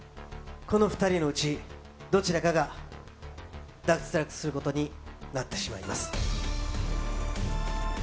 この２人のうちどちらかが脱落することになってしまいます。